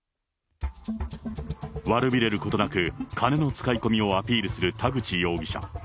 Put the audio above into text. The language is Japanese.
悪びれることなく、金の使い込みをアピールする田口容疑者。